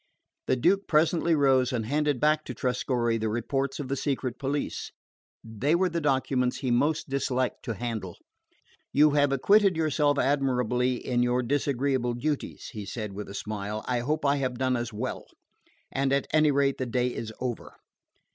The Duke presently rose, and handed back to Trescorre the reports of the secret police. They were the documents he most disliked to handle. "You have acquitted yourself admirably of your disagreeable duties," he said with a smile. "I hope I have done as well. At any rate the day is over."